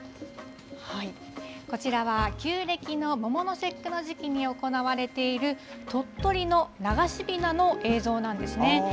こちらは旧暦の桃の節句の時期に行われている、鳥取の流しびなの映像なんですね。